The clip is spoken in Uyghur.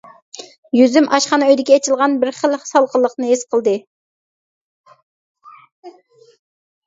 يۈزۈم ئاشخانا ئۆيدىكى ئېچىلغان بىر خىل سالقىنلىقنى ھېس قىلدى.